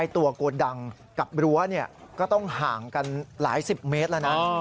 ตัวโกดังกับรั้วก็ต้องห่างกันหลายสิบเมตรแล้วนะ